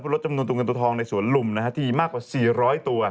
ลดจำนวนตัวเงินตัวทองในสวนลุมที่มีมากกว่า๔๐๐ตัว